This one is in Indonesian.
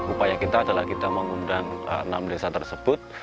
upaya kita adalah kita mengundang enam desa tersebut